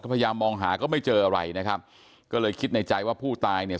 พยายามมองหาก็ไม่เจออะไรนะครับก็เลยคิดในใจว่าผู้ตายเนี่ย